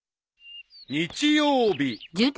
［日曜日］